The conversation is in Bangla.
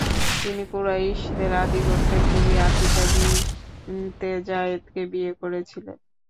তিনি কুরাইশের আদি গোত্রের কবি আতিকা বিনতে জায়েদকে বিয়ে করেছিলেন।